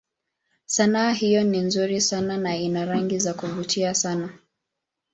Sanaa hiyo ni nzuri sana na ina rangi za kuvutia sana.